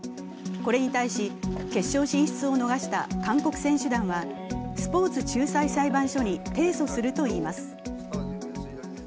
これに対し決勝進出を逃した韓国選手団はスポーツ仲裁裁判所に提訴するといいます。